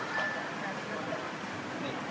สวัสดีครับ